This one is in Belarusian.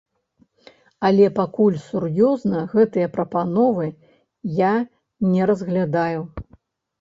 Але пакуль сур'ёзна гэтыя прапановы я не разглядаю.